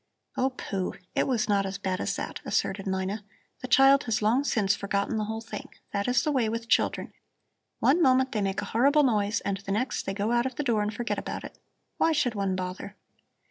"Oh, pooh! it was not as bad as that," asserted Mina; "the child has long since forgotten the whole thing. That is the way with children. One moment they make a horrible noise and the next they go out of the door and forget about it. Why should one bother?"